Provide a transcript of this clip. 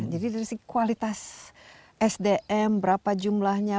jadi dari sih kualitas sdm berapa jumlahnya